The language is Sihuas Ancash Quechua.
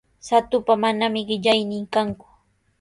Shatupa manami qillaynin kanku.